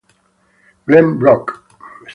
Glen Rock